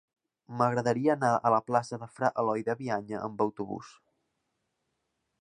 M'agradaria anar a la plaça de Fra Eloi de Bianya amb autobús.